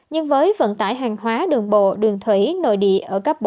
nhưng với vận tải hàng hóa đường bộ đường thủy nội địa ở cấp bốn